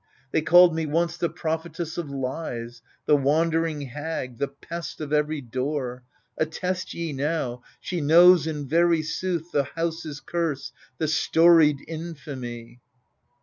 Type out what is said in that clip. They called me once, The prophetess of lies y The wandering hctg^ the pest of every door — Attest ye now, She knows in very sooth The houses curse ^ the storied infamy.